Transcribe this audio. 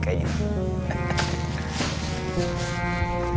kau seneng nih